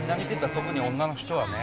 特に女の人はね。